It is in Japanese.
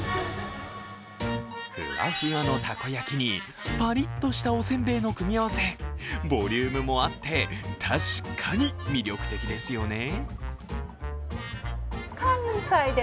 ふわふわのたこ焼きに、パリッとしたおせんべいの組み合わせ、ボリュームもあって、確かに魅力的ですよね。